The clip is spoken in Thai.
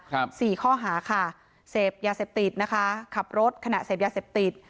สี่ข้อหาค่ะเสพยาเสพติดนะคะขับรถขณะเสพยาเสพติด